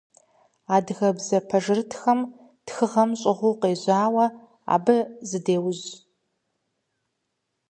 Адыгэбзэ пэжырытхэм тхыгъэм щӏыгъуу къежьауэ, абы зыдеужь.